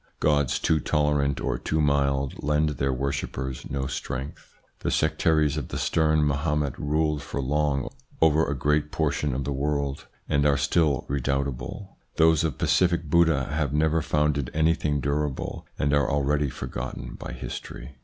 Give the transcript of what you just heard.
Gods too tolerant or too mild lend their worshippers no strength. The sectaries of the stern Mahomet ruled for long over a great portion of the world, and are still redoubtable ; those of pacific Buddha have never founded anything durable, and are already forgotten by history.